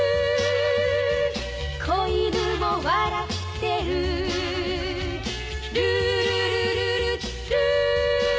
「小犬も笑ってる」「ルールルルルルー」